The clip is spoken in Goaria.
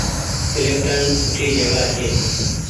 ڪلڦٽن سوٺي جگآ ڇي۔